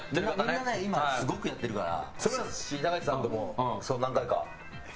みんな、すごくやってるから。